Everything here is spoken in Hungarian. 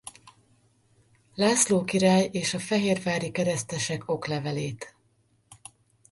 László király és a fehérvári keresztesek oklevelét.